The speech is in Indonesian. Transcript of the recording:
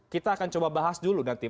kita akan coba bahas dulu nanti